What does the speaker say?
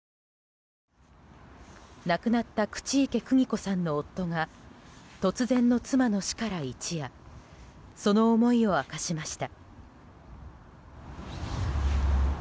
亡くなった口池邦子さんの夫が突然の妻の死から一夜その思いを明かしました。